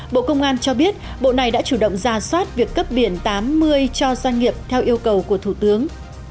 bộ công an cho biết bộ này đã chủ động ra soát việc cấp biển tám mươi cho doanh nghiệp theo yêu cầu của thủ tướng